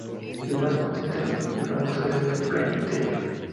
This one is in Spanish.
El más consistente y famoso es el de Penn y Teller.